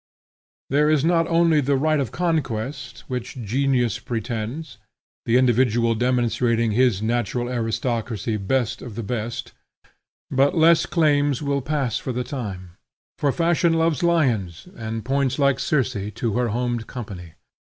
There is not only the right of conquest, which genius pretends, the individual demonstrating his natural aristocracy best of the best; but less claims will pass for the time; for Fashion loves lions, and points like Circe to her horned company.